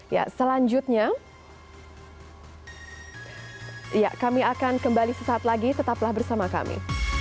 ya selanjutnya ya kami akan kembali sesaat lagi tetaplah bersama kami